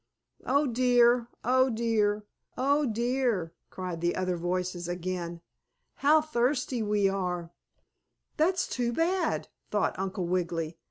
"Oh, dear! Oh, dear! Oh, dear!" cried the other voices again. "How thirsty we are!" "That's too bad," thought Uncle Wiggily.